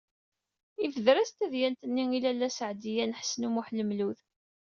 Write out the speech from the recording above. Yebder-as-d tadyant-nni i Lalla Seɛdiya n Ḥsen u Muḥ Lmlud.